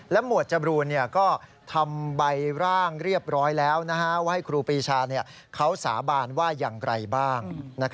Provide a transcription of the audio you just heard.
หมวดจบรูนก็ทำใบร่างเรียบร้อยแล้วว่าให้ครูปีชาเขาสาบานว่าอย่างไรบ้าง